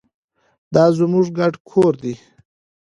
دا زموږ ګډ کور دی.